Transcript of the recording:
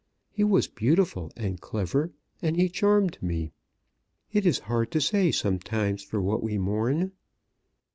He was beautiful and clever, and he charmed me. It is hard to say sometimes for what we mourn."